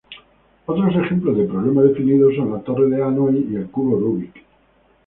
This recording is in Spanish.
Otros ejemplos de problemas definidos son la Torre de Hanói y el Cubo Rubik.